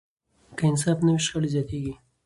که انصاف نه وي، شخړې زیاتېږي.